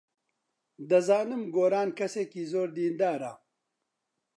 دەزانم گۆران کەسێکی زۆر دیندارە.